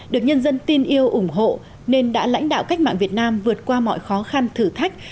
được nhân dân tin yêu ủng hộ nên đã lãnh đạo cách mạng việt nam vượt qua mọi khó khăn thử thách